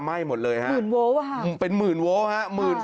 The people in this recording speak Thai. ไหม้หมดเลยฮะเป็นหมื่นโวลล์ฮะฮะ